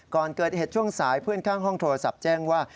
ก่อนเกิดเหตุช่วงสายเพื่อนข้างห้องโทรศัพท์แจ้งว่า